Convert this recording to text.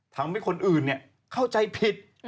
ทำให้คนอื่นเข้าใจผิด